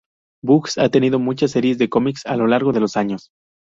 Bugs ha tenido muchas series de cómics a lo largo de los años.